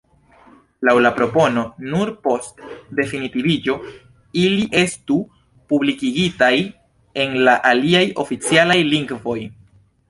Laŭ la propono, nur post definitiviĝo ili estu publikigitaj en la aliaj oficialaj lingvoj.